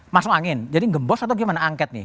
masuk angin jadi gembos atau gimana angket nih